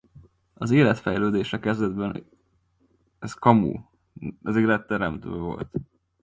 Az élet fejlődése kezdetben igen lassú volt.